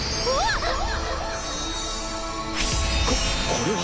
ここれは。